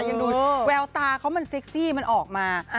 ยังดูแววตาเขามันเซ็กซี่มันออกมา